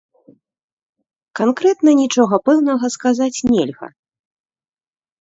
Канкрэтна нічога пэўнага сказаць нельга.